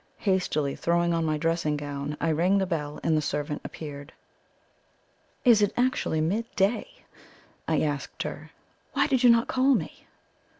Hastily throwing on my dressing gown, I rang the bell, and the servant appeared. "Is it actually mid day?" I asked her. "Why did you not call me?"